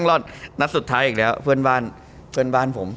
ก็สุดท้ายอีกแล้วเพื่อนบ้านผม